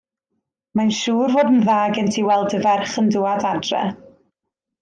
Mae'n siŵr fod yn dda gen ti weld dy ferch yn dŵad adre.